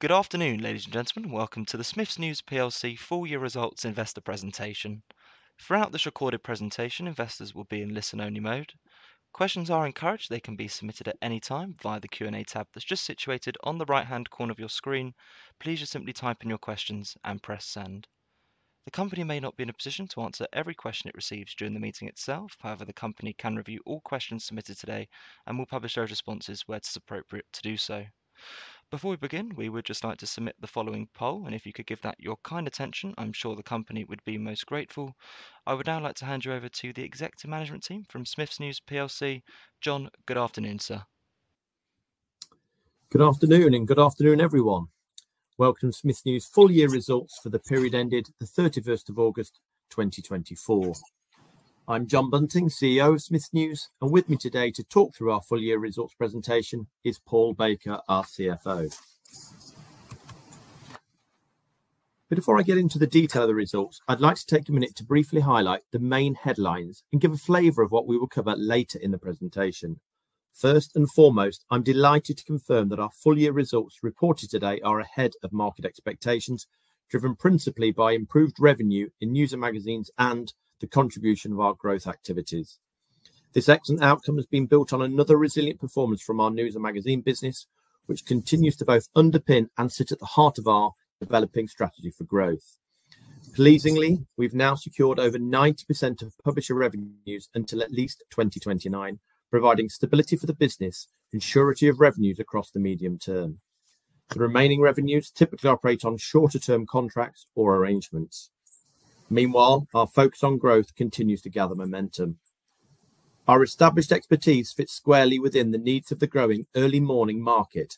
Good afternoon, ladies and gentlemen. Welcome to the Smiths News PLC full-year results investor presentation. Throughout this recorded presentation, investors will be in listen-only mode. Questions are encouraged. They can be submitted at any time via the Q&A tab that's just situated on the right-hand corner of your screen. Please just simply type in your questions and press send. The company may not be in a position to answer every question it receives during the meeting itself. However, the company can review all questions submitted today and will publish those responses where it's appropriate to do so. Before we begin, we would just like to submit the following poll, and if you could give that your kind attention, I'm sure the company would be most grateful. I would now like to hand you over to the executive management team from Smiths News PLC. John, good afternoon, sir. Good afternoon, and good afternoon, everyone. Welcome to Smiths News' full-year results for the period ended the 31st of August 2024. I'm John Bunting, CEO of Smiths News, and with me today to talk through our full-year results presentation is Paul Baker, our CFO. But before I get into the detail of the results, I'd like to take a minute to briefly highlight the main headlines and give a flavor of what we will cover later in the presentation. First and foremost, I'm delighted to confirm that our full-year results reported today are ahead of market expectations, driven principally by improved revenue in news and magazines and the contribution of our growth activities. This excellent outcome has been built on another resilient performance from our news and magazine business, which continues to both underpin and sit at the heart of our developing strategy for growth. Pleasingly, we've now secured over 90% of publisher revenues until at least 2029, providing stability for the business and surety of revenues across the medium term. The remaining revenues typically operate on shorter-term contracts or arrangements. Meanwhile, our focus on growth continues to gather momentum. Our established expertise fits squarely within the needs of the growing early-morning market,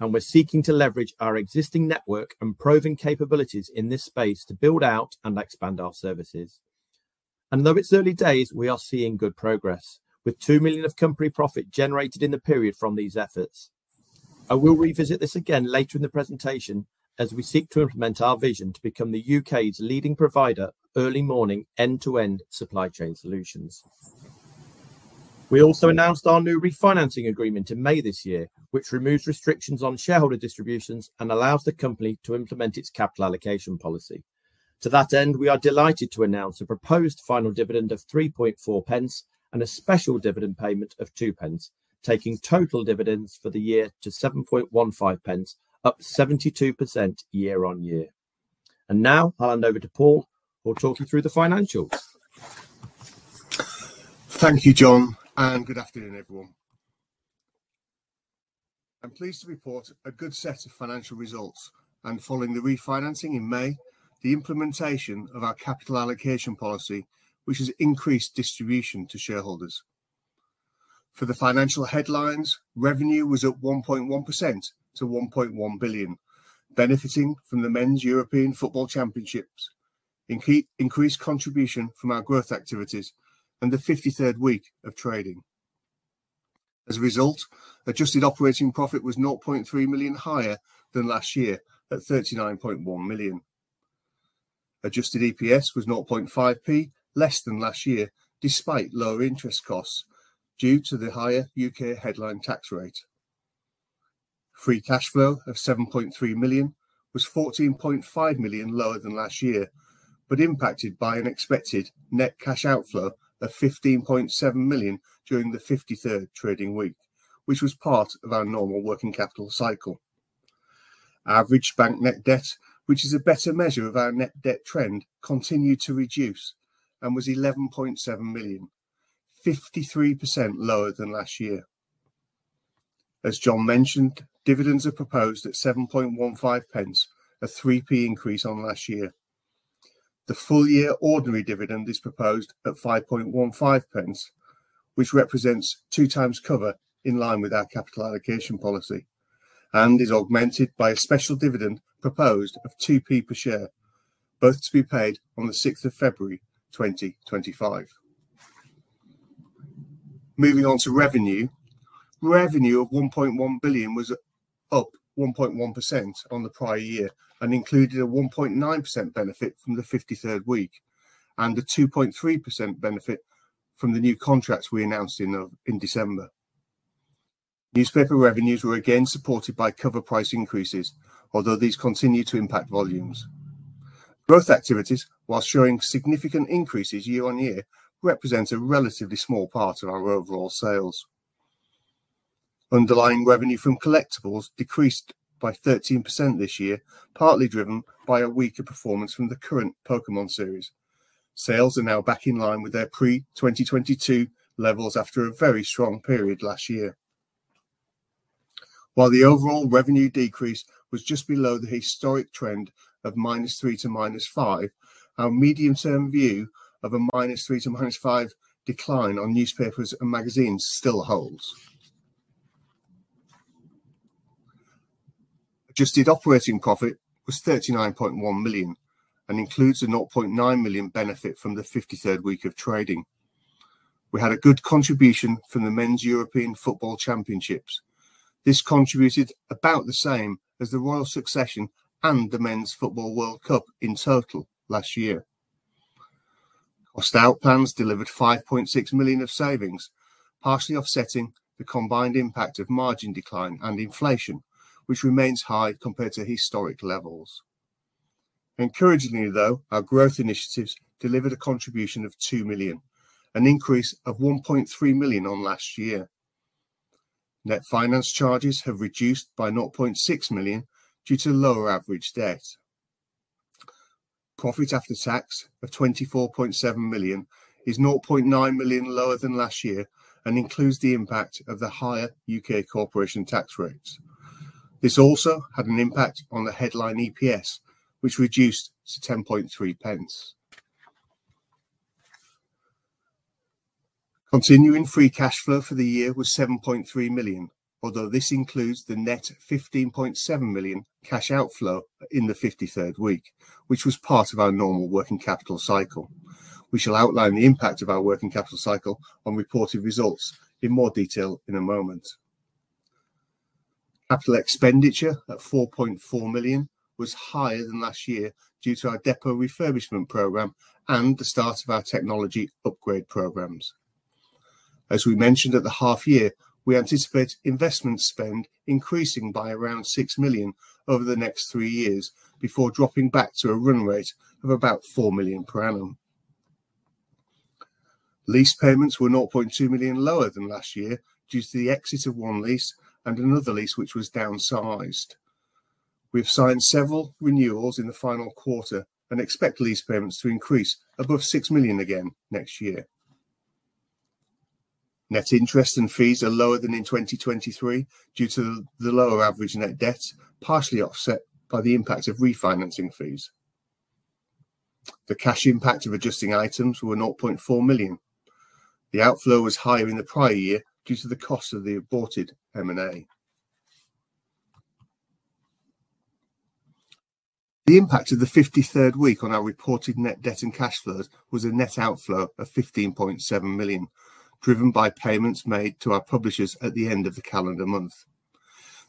and we're seeking to leverage our existing network and proven capabilities in this space to build out and expand our services. And though it's early days, we are seeing good progress, with £2 million of company profit generated in the period from these efforts. And we'll revisit this again later in the presentation as we seek to implement our vision to become the U.K.'s leading provider of early-morning end-to-end supply chain solutions. We also announced our new refinancing agreement in May this year, which removes restrictions on shareholder distributions and allows the company to implement its capital allocation policy. To that end, we are delighted to announce a proposed final dividend of 3.4 pence and a special dividend payment of 2 pence, taking total dividends for the year to 7.15 pence, up 72% year-on-year. And now I'll hand over to Paul, who will talk you through the financials. Thank you, John, and good afternoon, everyone. I'm pleased to report a good set of financial results and, following the refinancing in May, the implementation of our capital allocation policy, which has increased distribution to shareholders. For the financial headlines, revenue was up 1.1% to 1.1 billion, benefiting from the Men's European Football Championships, increased contribution from our growth activities, and the 53rd week of trading. As a result, adjusted operating profit was 0.3 million higher than last year at 39.1 million. Adjusted EPS was 0.5p, less than last year despite lower interest costs due to the higher U.K. headline tax rate. Free cash flow of 7.3 million was 14.5 million lower than last year, but impacted by an expected net cash outflow of 15.7 million during the 53rd trading week, which was part of our normal working capital cycle. Average bank net debt, which is a better measure of our net debt trend, continued to reduce and was 11.7 million, 53% lower than last year. As John mentioned, dividends are proposed at 7.15 pence, a 3p increase on last year. The full-year ordinary dividend is proposed at 5.15 pence, which represents two times cover in line with our capital allocation policy, and is augmented by a special dividend proposed of 2p per share, both to be paid on the 6th of February 2025. Moving on to revenue, revenue of 1.1 billion was up 1.1% on the prior year and included a 1.9% benefit from the 53rd week and a 2.3% benefit from the new contracts we announced in December. Newspaper revenues were again supported by cover price increases, although these continue to impact volumes. Growth activities, while showing significant increases year-on-year, represent a relatively small part of our overall sales. Underlying revenue from collectibles decreased by 13% this year, partly driven by a weaker performance from the current Pokémon series. Sales are now back in line with their pre-2022 levels after a very strong period last year. While the overall revenue decrease was just below the historic trend of -3% to -5%, our medium-term view of a -3% to -5% decline on newspapers and magazines still holds. Adjusted operating profit was 39.1 million and includes a 0.9 million benefit from the 53rd week of trading. We had a good contribution from the Men's European Football Championships. This contributed about the same as the Royal Succession and the Men's Football World Cup in total last year. Our cost-out plans delivered 5.6 million of savings, partially offsetting the combined impact of margin decline and inflation, which remains high compared to historic levels. Encouragingly, though, our growth initiatives delivered a contribution of 2 million, an increase of 1.3 million on last year. Net finance charges have reduced by 0.6 million due to lower average debt. Profit after tax of 24.7 million is 0.9 million lower than last year and includes the impact of the higher U.K. corporation tax rates. This also had an impact on the headline EPS, which reduced to 10.3 pence. Continuing free cash flow for the year was 7.3 million, although this includes the net 15.7 million cash outflow in the 53rd week, which was part of our normal working capital cycle. We shall outline the impact of our working capital cycle on reported results in more detail in a moment. Capital expenditure at 4.4 million was higher than last year due to our depot refurbishment program and the start of our technology upgrade programs. As we mentioned at the half-year, we anticipate investment spend increasing by around 6 million over the next three years before dropping back to a run rate of about 4 million per annum. Lease payments were 0.2 million lower than last year due to the exit of one lease and another lease which was downsized. We have signed several renewals in the final quarter and expect lease payments to increase above 6 million again next year. Net interest and fees are lower than in 2023 due to the lower average net debt, partially offset by the impact of refinancing fees. The cash impact of adjusting items were 0.4 million. The outflow was higher in the prior year due to the cost of the aborted M&A. The impact of the 53rd week on our reported net debt and cash flows was a net outflow of 15.7 million, driven by payments made to our publishers at the end of the calendar month.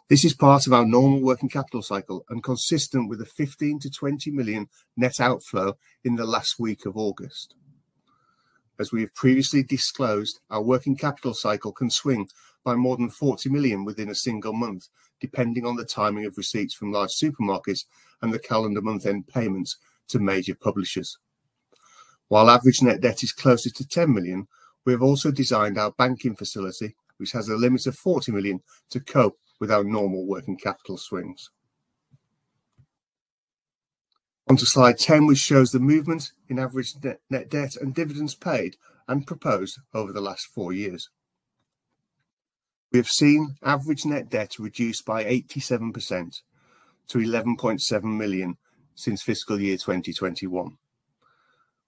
This is part of our normal working capital cycle and consistent with the 15-20 million net outflow in the last week of August. As we have previously disclosed, our working capital cycle can swing by more than 40 million within a single month, depending on the timing of receipts from large supermarkets and the calendar month-end payments to major publishers. While average net debt is closer to 10 million, we have also designed our banking facility, which has a limit of 40 million, to cope with our normal working capital swings. Onto slide 10, which shows the movement in average net debt and dividends paid and proposed over the last four years. We have seen average net debt reduced by 87% to 11.7 million since fiscal year 2021.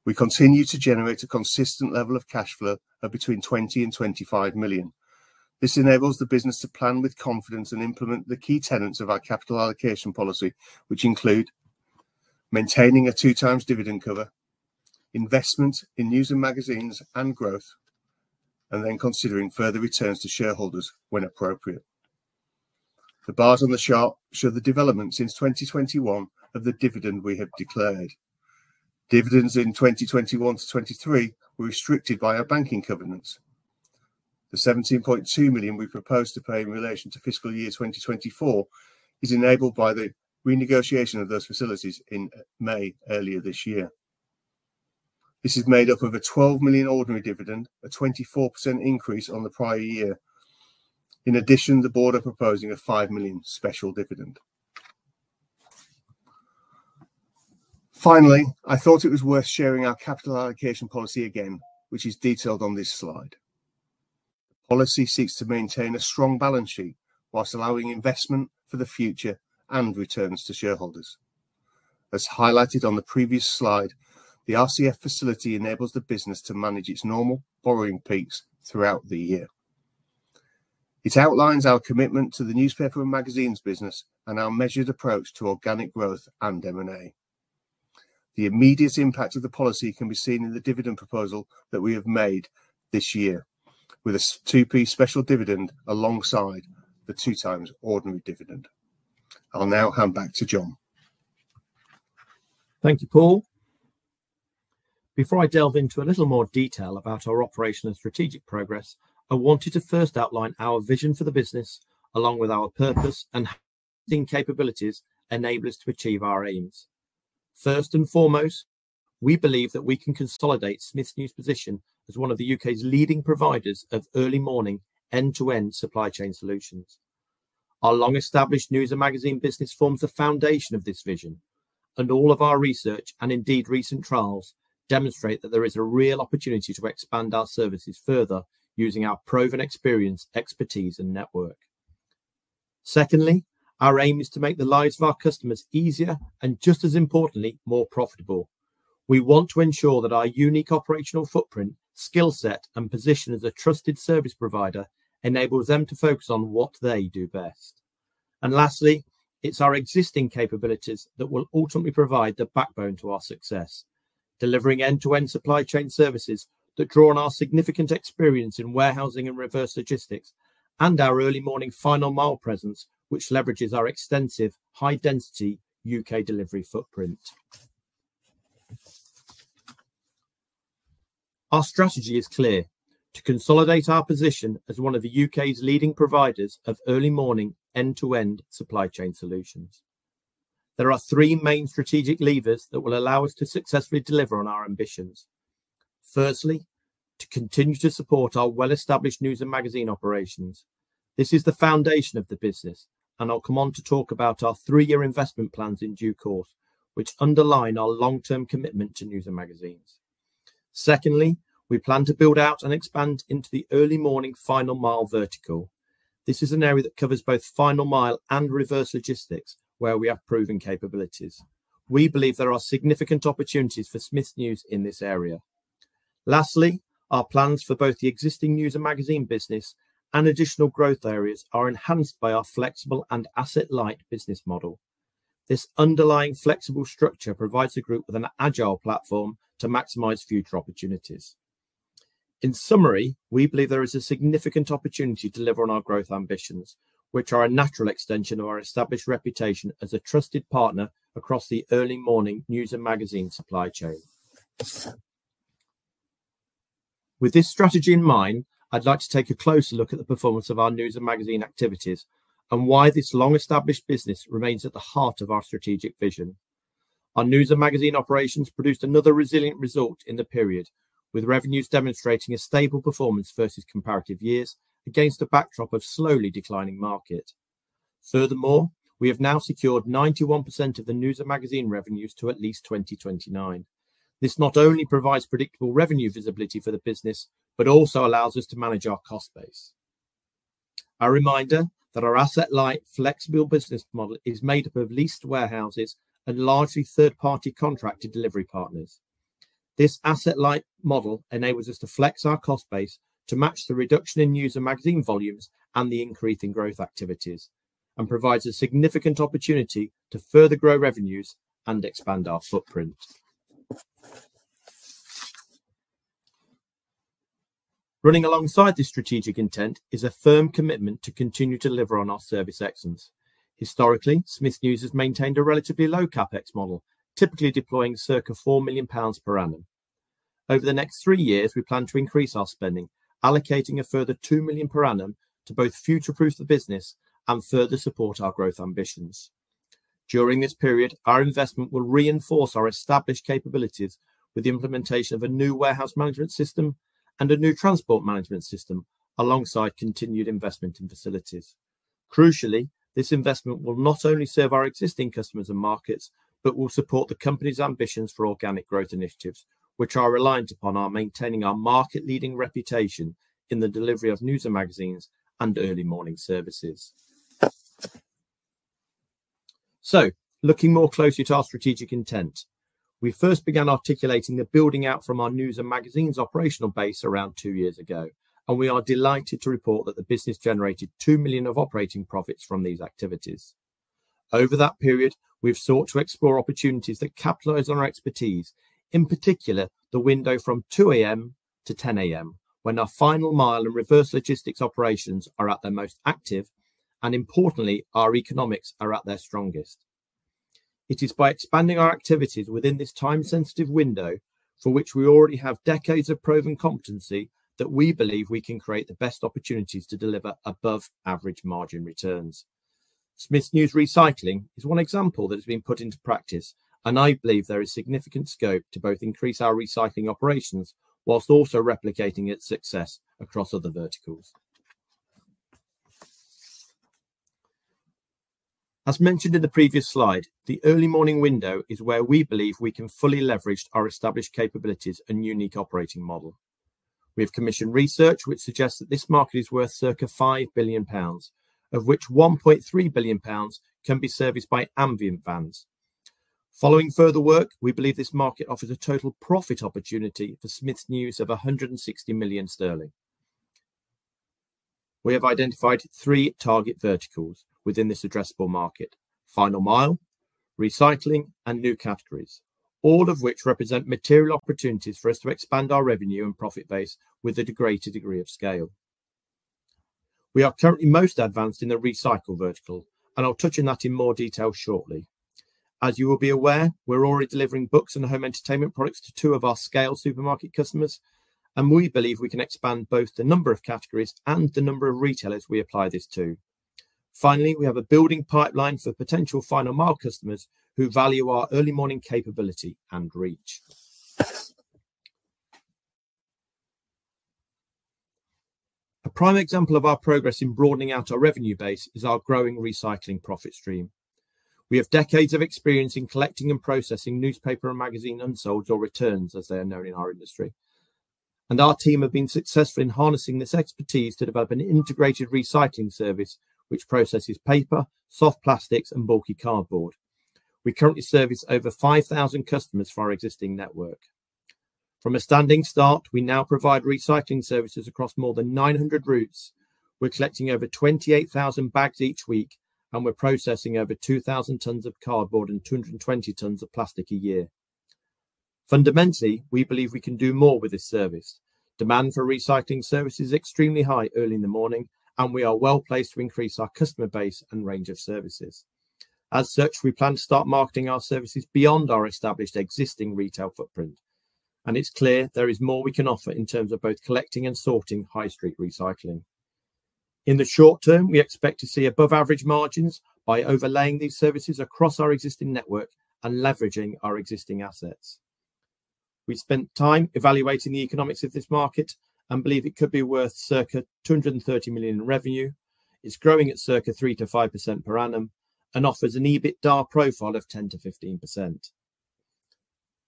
We continue to generate a consistent level of cash flow of between 20 million and 25 million. This enables the business to plan with confidence and implement the key tenets of our capital allocation policy, which include maintaining a two-times dividend cover, investment in news and magazines and growth, and then considering further returns to shareholders when appropriate. The bars on the chart show the development since 2021 of the dividend we have declared. Dividends in 2021 to 2023 were restricted by our banking covenants. The 17.2 million we proposed to pay in relation to fiscal year 2024 is enabled by the renegotiation of those facilities in May earlier this year. This is made up of a 12 million ordinary dividend, a 24% increase on the prior year. In addition, the board are proposing a £5 million special dividend. Finally, I thought it was worth sharing our capital allocation policy again, which is detailed on this slide. The policy seeks to maintain a strong balance sheet while allowing investment for the future and returns to shareholders. As highlighted on the previous slide, the RCF facility enables the business to manage its normal borrowing peaks throughout the year. It outlines our commitment to the newspaper and magazines business and our measured approach to organic growth and M&A. The immediate impact of the policy can be seen in the dividend proposal that we have made this year, with a 2P special dividend alongside the 2 times ordinary dividend. I'll now hand back to John. Thank you, Paul. Before I delve into a little more detail about our operational and strategic progress, I wanted to first outline our vision for the business, along with our purpose and how these capabilities enable us to achieve our aims. First and foremost, we believe that we can consolidate Smiths News' position as one of the U.K.'s leading providers of early-morning end-to-end supply chain solutions. Our long-established news and magazine business forms the foundation of this vision, and all of our research and indeed recent trials demonstrate that there is a real opportunity to expand our services further using our proven experience, expertise, and network. Secondly, our aim is to make the lives of our customers easier and, just as importantly, more profitable. We want to ensure that our unique operational footprint, skill set, and position as a trusted service provider enables them to focus on what they do best. And lastly, it's our existing capabilities that will ultimately provide the backbone to our success, delivering end-to-end supply chain services that draw on our significant experience in warehousing and reverse logistics and our early-morning final mile presence, which leverages our extensive high-density U.K. delivery footprint. Our strategy is clear: to consolidate our position as one of the U.K.'s leading providers of early-morning end-to-end supply chain solutions. There are three main strategic levers that will allow us to successfully deliver on our ambitions. Firstly, to continue to support our well-established news and magazine operations. This is the foundation of the business, and I'll come on to talk about our three-year investment plans in due course, which underline our long-term commitment to news and magazines. Secondly, we plan to build out and expand into the early-morning final mile vertical. This is an area that covers both final mile and reverse logistics, where we have proven capabilities. We believe there are significant opportunities for Smiths News in this area. Lastly, our plans for both the existing news and magazine business and additional growth areas are enhanced by our flexible and asset-light business model. This underlying flexible structure provides the group with an agile platform to maximize future opportunities. In summary, we believe there is a significant opportunity to deliver on our growth ambitions, which are a natural extension of our established reputation as a trusted partner across the early-morning news and magazine supply chain. With this strategy in mind, I'd like to take a closer look at the performance of our news and magazine activities and why this long-established business remains at the heart of our strategic vision. Our news and magazine operations produced another resilient result in the period, with revenues demonstrating a stable performance versus comparative years against a backdrop of slowly declining market. Furthermore, we have now secured 91% of the news and magazine revenues to at least 2029. This not only provides predictable revenue visibility for the business, but also allows us to manage our cost base. A reminder that our asset-light flexible business model is made up of leased warehouses and largely third-party contracted delivery partners. This asset-light model enables us to flex our cost base to match the reduction in news and magazine volumes and the increase in growth activities, and provides a significant opportunity to further grow revenues and expand our footprint. Running alongside this strategic intent is a firm commitment to continue to deliver on our service excellence. Historically, Smiths News has maintained a relatively low CapEx model, typically deploying circa £4 million per annum. Over the next three years, we plan to increase our spending, allocating a further £2 million per annum to both future-proof the business and further support our growth ambitions. During this period, our investment will reinforce our established capabilities with the implementation of a new warehouse management system and a new transport management system, alongside continued investment in facilities. Crucially, this investment will not only serve our existing customers and markets, but will support the company's ambitions for organic growth initiatives, which are reliant upon our maintaining our market-leading reputation in the delivery of news and magazines and early-morning services. So, looking more closely to our strategic intent, we first began articulating the building out from our news and magazines operational base around two years ago, and we are delighted to report that the business generated 2 million of operating profits from these activities. Over that period, we've sought to explore opportunities that capitalize on our expertise, in particular the window from 2:00 A.M. to 10:00 A.M., when our final mile and reverse logistics operations are at their most active, and importantly, our economics are at their strongest. It is by expanding our activities within this time-sensitive window, for which we already have decades of proven competency, that we believe we can create the best opportunities to deliver above-average margin returns. Smiths News Recycling is one example that has been put into practice, and I believe there is significant scope to both increase our recycling operations while also replicating its success across other verticals. As mentioned in the previous slide, the early-morning window is where we believe we can fully leverage our established capabilities and unique operating model. We have commissioned research which suggests that this market is worth circa £5 billion, of which £1.3 billion can be serviced by ambient vans. Following further work, we believe this market offers a total profit opportunity for Smiths News of £160 million. We have identified three target verticals within this addressable market: final mile, recycling, and new categories, all of which represent material opportunities for us to expand our revenue and profit base with a greater degree of scale. We are currently most advanced in the recycling vertical, and I'll touch on that in more detail shortly. As you will be aware, we're already delivering books and home entertainment products to two of our scale supermarket customers, and we believe we can expand both the number of categories and the number of retailers we apply this to. Finally, we have a building pipeline for potential final mile customers who value our early-morning capability and reach. A prime example of our progress in broadening out our revenue base is our growing recycling profit stream. We have decades of experience in collecting and processing newspaper and magazine unsold or returns, as they are known in our industry, and our team have been successful in harnessing this expertise to develop an integrated recycling service which processes paper, soft plastics, and bulky cardboard. We currently service over 5,000 customers for our existing network. From a standing start, we now provide recycling services across more than 900 routes. We're collecting over 28,000 bags each week, and we're processing over 2,000 tons of cardboard and 220 tons of plastic a year. Fundamentally, we believe we can do more with this service. Demand for recycling services is extremely high early in the morning, and we are well placed to increase our customer base and range of services. As such, we plan to start marketing our services beyond our established existing retail footprint, and it's clear there is more we can offer in terms of both collecting and sorting high-street recycling. In the short term, we expect to see above-average margins by overlaying these services across our existing network and leveraging our existing assets. We spent time evaluating the economics of this market and believe it could be worth circa 230 million in revenue. It's growing at circa 3%-5% per annum and offers an EBITDA profile of 10%-15%.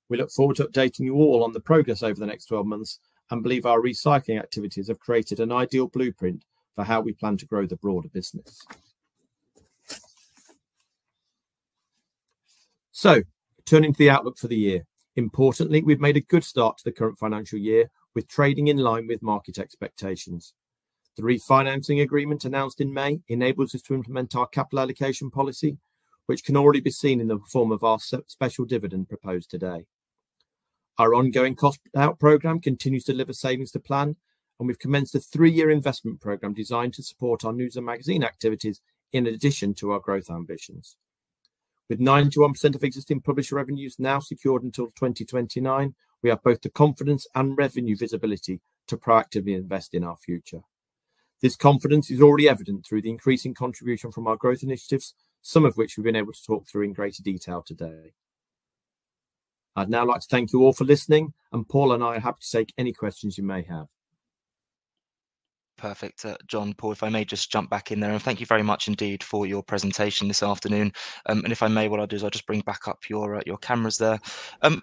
We look forward to updating you all on the progress over the next 12 months and believe our recycling activities have created an ideal blueprint for how we plan to grow the broader business. Turning to the outlook for the year, importantly, we've made a good start to the current financial year with trading in line with market expectations. The refinancing agreement announced in May enables us to implement our capital allocation policy, which can already be seen in the form of our special dividend proposed today. Our ongoing cost-out program continues to deliver savings to plan, and we've commenced a three-year investment program designed to support our news and magazine activities in addition to our growth ambitions. With 91% of existing publisher revenues now secured until 2029, we have both the confidence and revenue visibility to proactively invest in our future. This confidence is already evident through the increasing contribution from our growth initiatives, some of which we've been able to talk through in greater detail today. I'd now like to thank you all for listening, and Paul and I are happy to take any questions you may have. Perfect, John, Paul, if I may just jump back in there, and thank you very much indeed for your presentation this afternoon, and if I may, what I'll do is I'll just bring back up your cameras there.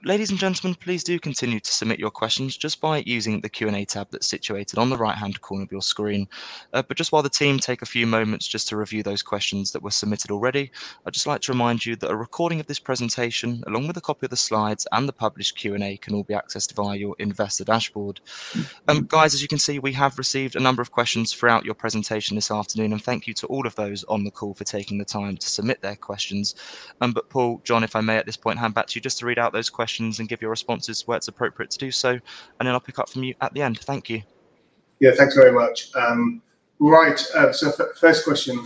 Ladies and gentlemen, please do continue to submit your questions just by using the Q&A tab that's situated on the right-hand corner of your screen, but just while the team takes a few moments just to review those questions that were submitted already, I'd just like to remind you that a recording of this presentation, along with a copy of the slides and the published Q&A, can all be accessed via your Investor Dashboard. Guys, as you can see, we have received a number of questions throughout your presentation this afternoon, and thank you to all of those on the call for taking the time to submit their questions, but Paul, John, if I may at this point, hand back to you just to read out those questions and give your responses where it's appropriate to do so, and then I'll pick up from you at the end. Thank you. Yeah, thanks very much. Right, so first question,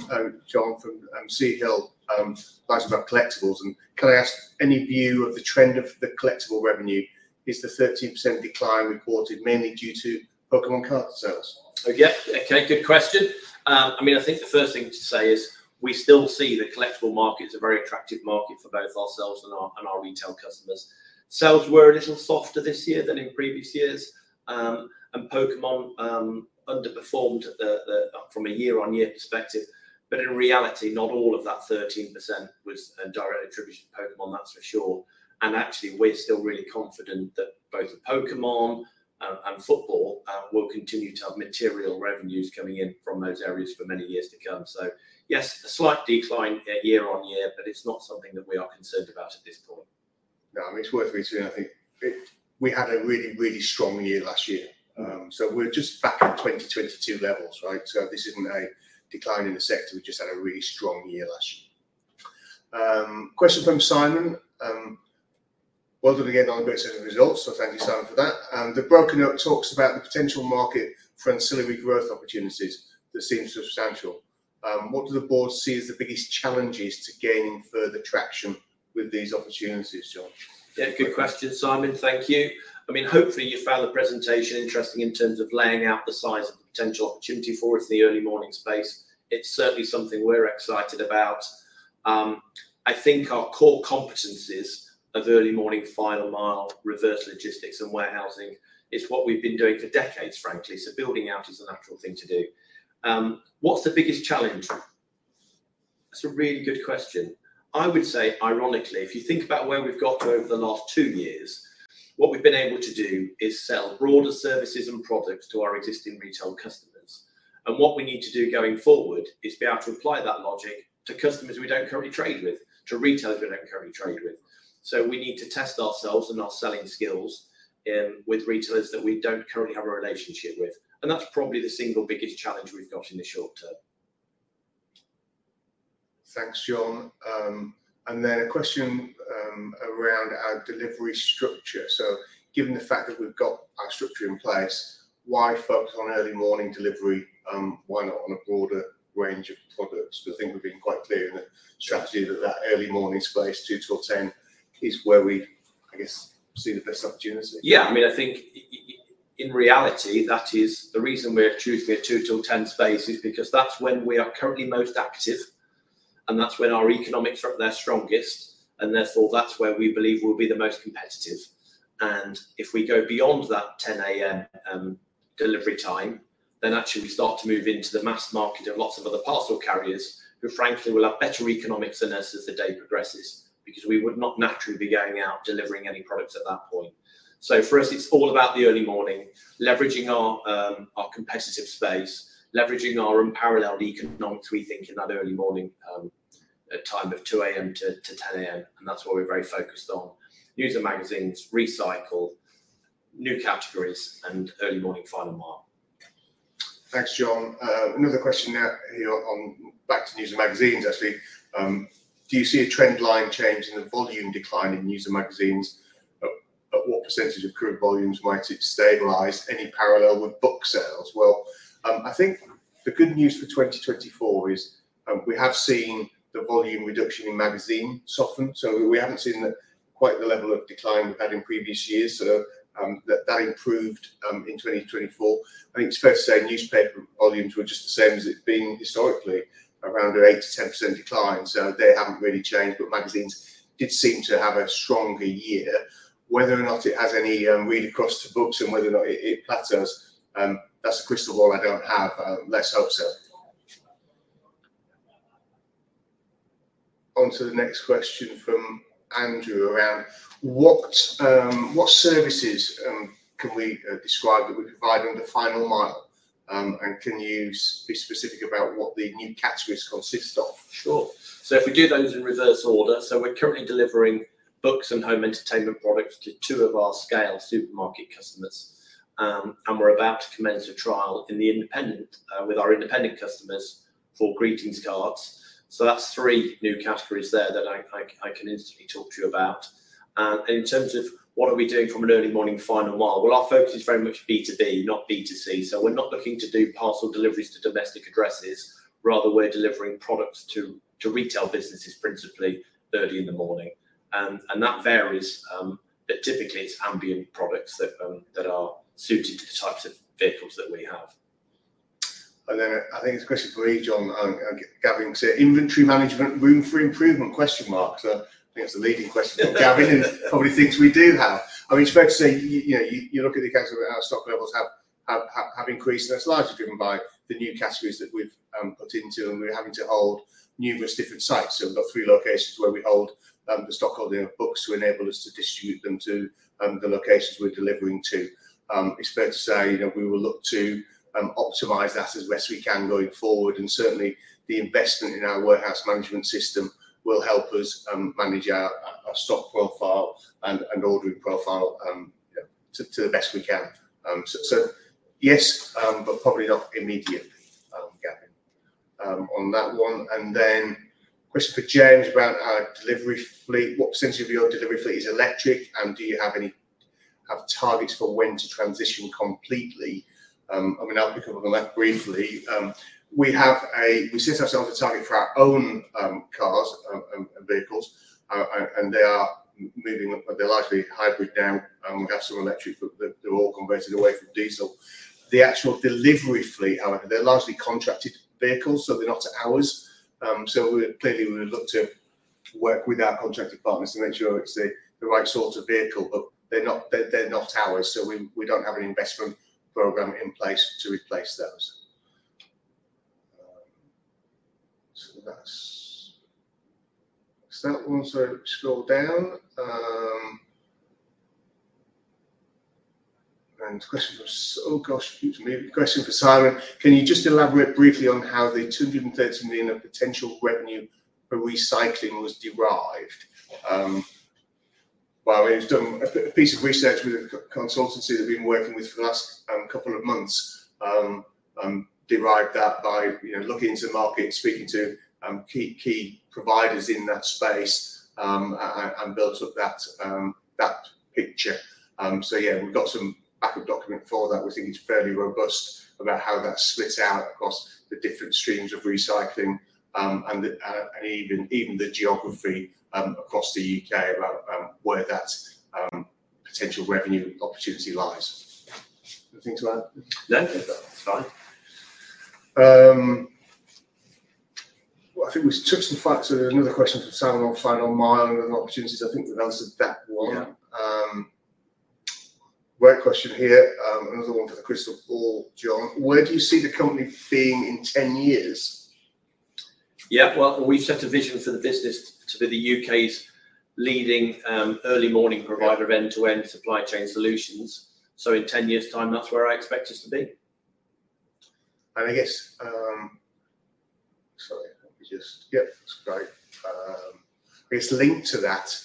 John, from Sahil, about collectibles. And can I ask any view of the trend of the collectible revenue? Is the 13% decline reported mainly due to Pokémon card sales? Yeah, okay, good question. I mean, I think the first thing to say is we still see the collectible market as a very attractive market for both ourselves and our retail customers. Sales were a little softer this year than in previous years, and Pokémon underperformed from a year-on-year perspective. But in reality, not all of that 13% was directly attributed to Pokémon, that's for sure. And actually, we're still really confident that both Pokémon and football will continue to have material revenues coming in from those areas for many years to come. So yes, a slight decline year-on-year, but it's not something that we are concerned about at this point. No, I mean, it's worth me too, and I think we had a really, really strong year last year. So we're just back at 2022 levels, right? So this isn't a decline in the sector. We just had a really strong year last year. Question from Simon. Well done again on the breakthrough results, so thank you, Simon, for that. The presentation talks about the potential market for ancillary growth opportunities that seem substantial. What do the board see as the biggest challenges to gaining further traction with these opportunities, John? Yeah, good question, Simon. Thank you. I mean, hopefully, you found the presentation interesting in terms of laying out the size of the potential opportunity for us in the early-morning space. It's certainly something we're excited about. I think our core competencies of early-morning, final mile, reverse logistics, and warehousing is what we've been doing for decades, frankly. So building out is a natural thing to do. What's the biggest challenge? That's a really good question. I would say, ironically, if you think about where we've got over the last two years, what we've been able to do is sell broader services and products to our existing retail customers. And what we need to do going forward is be able to apply that logic to customers we don't currently trade with, to retailers we don't currently trade with. So we need to test ourselves and our selling skills with retailers that we don't currently have a relationship with. And that's probably the single biggest challenge we've got in the short term. Thanks, John. And then a question around our delivery structure. So given the fact that we've got our structure in place, why focus on early-morning delivery? Why not on a broader range of products? I think we've been quite clear in the strategy that that early-morning space, 2-10, is where we, I guess, see the best opportunity. Yeah, I mean, I think in reality, that is the reason we're choosing a 2:00 A.M-10:00 A.M. space is because that's when we are currently most active, and that's when our economics are at their strongest, and therefore that's where we believe we'll be the most competitive. And if we go beyond that 10:00 A.M. delivery time, then actually we start to move into the mass market of lots of other parcel carriers who, frankly, will have better economics and us as the day progresses because we would not naturally be going out delivering any products at that point. So for us, it's all about the early morning, leveraging our competitive space, leveraging our unparalleled economic rethink in that early morning time of 2:00 A.M. - 10:00 A.M., and that's what we're very focused on: news and magazines, recycle, new categories, and early-morning final mile. Thanks, John. Another question here on back to news and magazines, actually. Do you see a trend line change in the volume decline in news and magazines? At what percentage of current volumes might it stabilize? Any parallel with book sales? Well, I think the good news for 2024 is we have seen the volume reduction in magazines softened. So we haven't seen quite the level of decline we've had in previous years. So that improved in 2024. I think it's fair to say newspaper volumes were just the same as it's been historically, around an 8%-10% decline. So they haven't really changed, but magazines did seem to have a stronger year. Whether or not it has any read across to books and whether or not it plateaus, that's a crystal ball I don't have. Let's hope so. Onto the next question from Andrew around what services can we describe that we provide under final mile? And can you be specific about what the new categories consist of? Sure. So if we do those in reverse order, so we're currently delivering books and home entertainment products to two of our scale supermarket customers, and we're about to commence a trial with our independent customers for greetings cards, so that's three new categories there that I can instantly talk to you about, and in terms of what are we doing from an early morning final mile? Well, our focus is very much B to B, not B to C, so we're not looking to do parcel deliveries to domestic addresses. Rather, we're delivering products to retail businesses principally early in the morning, and that varies, but typically it's ambient products that are suited to the types of vehicles that we have. Then I think it's a question for me, John, and Gavin can see it. Inventory management, room for improvement? I think that's a leading question for Gavin and probably things we do have. I mean, it's fair to say you look at the stock levels have increased, and that's largely driven by the new categories that we've put into, and we're having to hold numerous different sites. So we've got three locations where we hold the stock holding of books to enable us to distribute them to the locations we're delivering to. It's fair to say we will look to optimize that as best we can going forward, and certainly the investment in our warehouse management system will help us manage our stock profile and ordering profile to the best we can. So yes, but probably not immediately, Gavin, on that one. Then a question for James about our delivery fleet. What percentage of your delivery fleet is electric, and do you have targets for when to transition completely? I mean, I'll pick up on that briefly. We set ourselves a target for our own cars and vehicles, and they are moving up. They're largely hybrid now, and we have some electric, but they're all converted away from diesel. The actual delivery fleet, however, they're largely contracted vehicles, so they're not ours. So clearly, we would look to work with our contracted partners to make sure it's the right sort of vehicle, but they're not ours, so we don't have an investment program in place to replace those. So that's that one. So scroll down. And question for, oh gosh, it's a muted me. Question for Simon. Can you just elaborate briefly on how the 230 million of potential revenue for recycling was derived? Well, we've done a piece of research with a consultancy that we've been working with for the last couple of months, derived that by looking into the market, speaking to key providers in that space, and built up that picture. So yeah, we've got some backup document for that. We think it's fairly robust about how that splits out across the different streams of recycling and even the geography across the U.K. about where that potential revenue opportunity lies. Anything to add? No, that's fine. I think we took some facts. There's another question for Simon on final mile and opportunities. I think we've answered that one. Great question here. Another one for the crystal ball, John. Where do you see the company being in 10 years? Yeah, well, we've set a vision for the business to be the U.K.'s leading early morning provider of end-to-end supply chain solutions. So in 10 years' time, that's where I expect us to be. I guess, sorry, let me just, yeah, that's great. It's linked to that,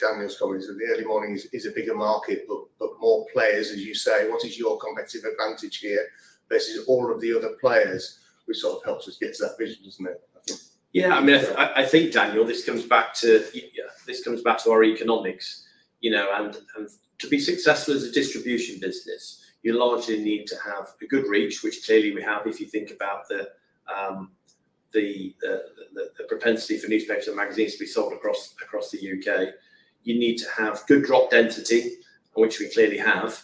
Daniel's comment, is that the early morning is a bigger market, but more players, as you say, what is your competitive advantage here versus all of the other players? Which sort of helps us get to that vision, doesn't it? Yeah, I mean, I think, Daniel, this comes back to our economics. And to be successful as a distribution business, you largely need to have a good reach, which clearly we have if you think about the propensity for newspapers and magazines to be sold across the U.K. You need to have good drop density, which we clearly have.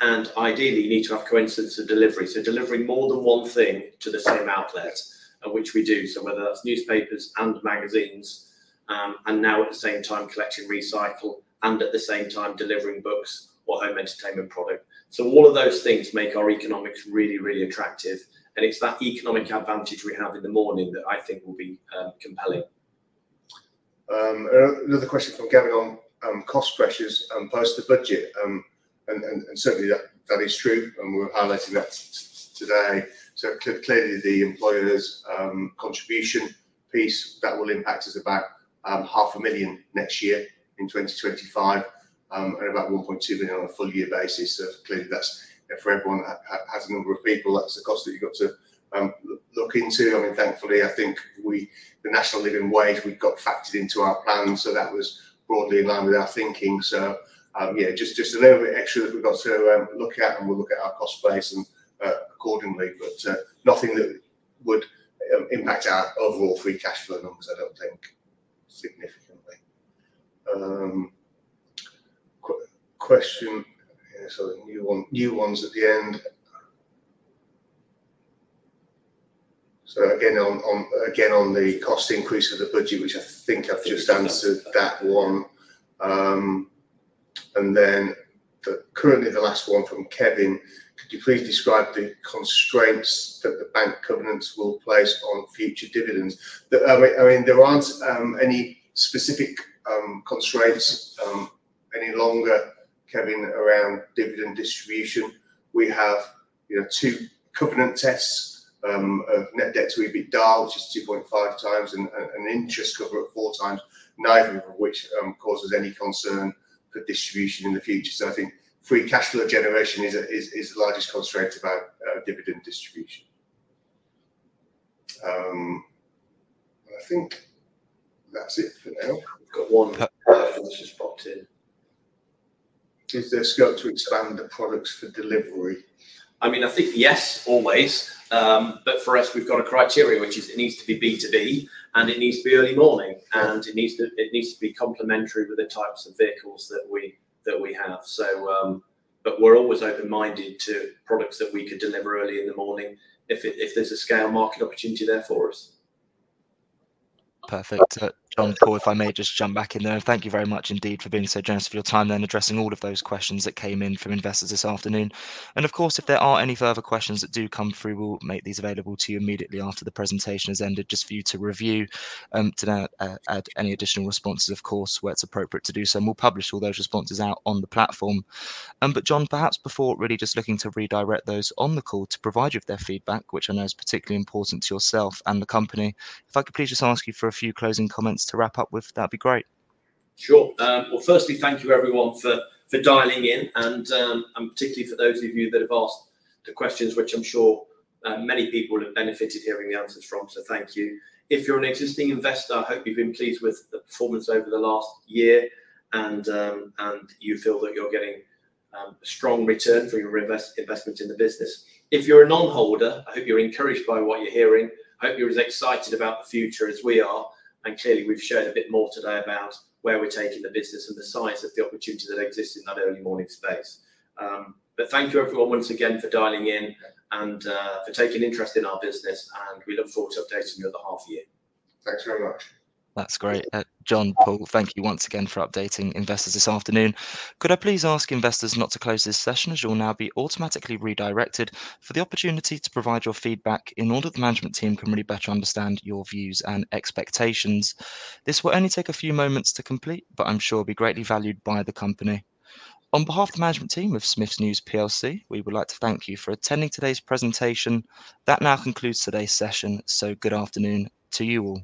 And ideally, you need to have coincidence of delivery. So delivering more than one thing to the same outlet, which we do. So whether that's newspapers and magazines, and now at the same time collecting recycle, and at the same time delivering books or home entertainment product. So all of those things make our economics really, really attractive. And it's that economic advantage we have in the morning that I think will be compelling. Another question from Gavin on cost pressures post the budget. And certainly, that is true, and we're highlighting that today, so clearly, the employers' contribution piece, that will impact us about 500,000 next year in 2025, and about 1.2 million on a full-year basis, so clearly, that's for everyone that has a number of people, that's the cost that you've got to look into. I mean, thankfully, I think the National Living Wage, we've got factored into our plan, so that was broadly in line with our thinking, so yeah, just a little bit extra that we've got to look at, and we'll look at our cost base accordingly, but nothing that would impact our overall free cash flow numbers, I don't think, significantly. Question, so new ones at the end, so again, on the cost increase of the budget, which I think I've just answered that one. And then currently, the last one from Kevin. Could you please describe the constraints that the bank covenants will place on future dividends? I mean, there aren't any specific constraints any longer, Kevin, around dividend distribution. We have two covenant tests of net debt to EBITDA, which is 2.5 times, and an interest cover at 4 times, neither of which causes any concern for distribution in the future. So I think free cash flow generation is the largest constraint about dividend distribution. I think that's it for now. We've got one from Mrs. Botton. Is there scope to expand the products for delivery? I mean, I think yes, always. But for us, we've got a criteria, which is it needs to be B to B, and it needs to be early morning, and it needs to be complementary with the types of vehicles that we have. But we're always open-minded to products that we could deliver early in the morning if there's a scale market opportunity there for us. Perfect. John, if I may just jump back in there. Thank you very much indeed for being so generous of your time and addressing all of those questions that came in from investors this afternoon, and of course, if there are any further questions that do come through, we'll make these available to you immediately after the presentation has ended just for you to review. To add any additional responses, of course, where it's appropriate to do so, and we'll publish all those responses out on the platform, but John, perhaps before really just looking to redirect those on the call to provide you with their feedback, which I know is particularly important to yourself and the company, if I could please just ask you for a few closing comments to wrap up with, that'd be great. Sure. Well, firstly, thank you everyone for dialing in, and particularly for those of you that have asked the questions, which I'm sure many people have benefited hearing the answers from, so thank you. If you're an existing investor, I hope you've been pleased with the performance over the last year, and you feel that you're getting a strong return from your investment in the business. If you're a non-holder, I hope you're encouraged by what you're hearing. I hope you're as excited about the future as we are. And clearly, we've shared a bit more today about where we're taking the business and the size of the opportunity that exists in that early morning space. But thank you everyone once again for dialing in and for taking interest in our business, and we look forward to updating you at the half-year. Thanks very much. That's great. John and Paul, thank you once again for updating investors this afternoon. Could I please ask investors not to close this session as you'll now be automatically redirected for the opportunity to provide your feedback in order that the management team can really better understand your views and expectations? This will only take a few moments to complete, but I'm sure it will be greatly valued by the company. On behalf of the management team of Smiths News PLC, we would like to thank you for attending today's presentation. That now concludes today's session, so good afternoon to you all.